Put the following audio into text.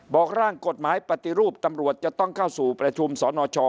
ร่างกฎหมายปฏิรูปตำรวจจะต้องเข้าสู่ประชุมสนช